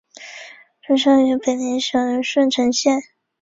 出生于北宁省顺成县。